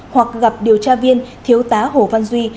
hoặc gặp điều tra viên thiếu tá hồ văn duy